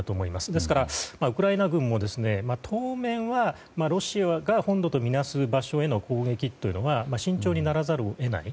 ですから、ウクライナ軍も当面はロシアが本土とみなす場所への攻撃というのは慎重にならざるを得ない。